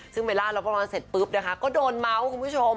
ซึ่งเบลล่ารับประมาณเสร็จปุ๊บนะคะก็โดนเมาส์คุณผู้ชม